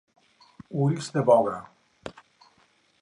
Ulls de boga.